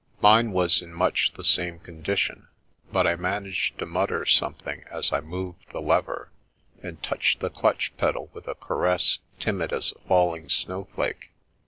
Mine was in much the same condition, but I man aged to mutter something as I moved the lever, and touched the clutch pedal with a caress timid as a falling snowflake.